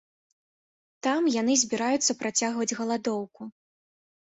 Там яны збіраюцца працягваць галадоўку.